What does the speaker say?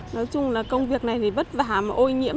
nói chung là công việc này thì vất vả mà ô nhiễm